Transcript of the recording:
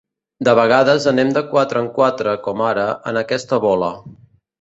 De vegades anem de quatre en quatre, com ara, en aquesta bola.